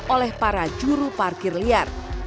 oleh para juru parkir liar